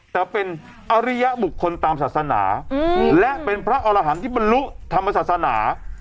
แต่เป็นอริยบุคคลตามศาสนาและเป็นพระอรหันต์ที่บรรลุธรรมศาสนา